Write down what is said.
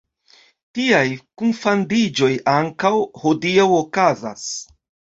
Tiaj kunfandiĝoj ankaŭ hodiaŭ okazas.